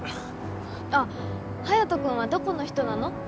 あっハヤト君はどこの人なの？